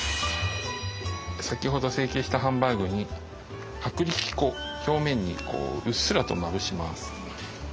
先ほど成形したハンバーグに薄力粉表面にうっすらとまぶします。